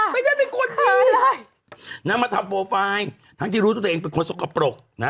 ไม่ได้เป็นคนเคยเลยนะมาทำโปรไฟล์ทั้งที่รู้ตัวเองเป็นคนสกปรกนะ